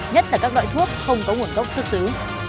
nhất là các loại thuốc không có nguồn gốc xuất xứ